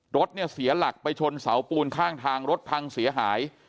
รถเนี่ยเสียหลักไปชนเสาปูนข้างทางรถพังเสียหาย